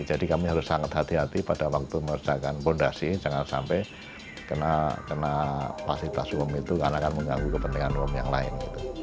jadi kami harus sangat hati hati pada waktu mengerjakan fondasi jangan sampai kena fasilitas umum itu karena akan mengganggu kepentingan umum yang lain